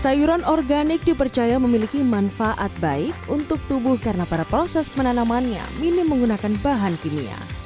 sayuran organik dipercaya memiliki manfaat baik untuk tubuh karena pada proses penanamannya minim menggunakan bahan kimia